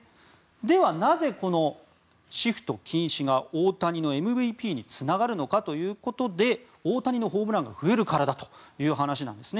では、なぜこのシフト禁止が大谷のＭＶＰにつながるのかということで大谷のホームランが増えるからだという話なんです。